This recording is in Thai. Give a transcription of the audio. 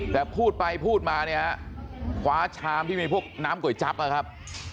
แต่พูดไปพูดมาเนี่ยฮะคว้าชามที่มีพวกน้ำก๋วยจั๊บนะครับ